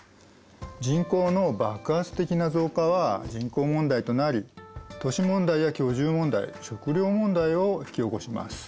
人口の爆発的な増加は人口問題となり都市問題や居住問題食料問題を引き起こします。